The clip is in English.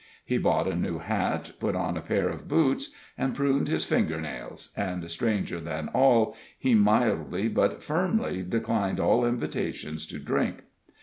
He bought a new hat, put on a pair of boots, and pruned his finger nails, and, stranger than all, he mildly but firmly declined all invitations to drink.